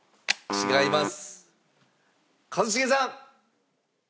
違います。